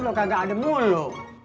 lu kagak ada mung lo